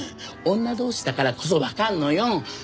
女同士だからこそわかるのよ！